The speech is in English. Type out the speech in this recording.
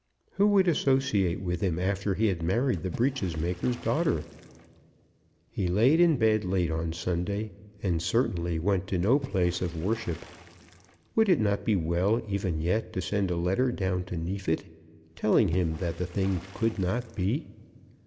Who would associate with him after he had married the breeches maker's daughter? He laid in bed late on Sunday, and certainly went to no place of worship. Would it not be well even yet to send a letter down to Neefit, telling him that the thing could not be?